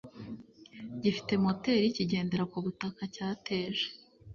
gifite moteri kigendera ku butaka cyateje